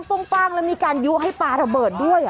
้งแล้วมีการยุให้ปลาระเบิดด้วย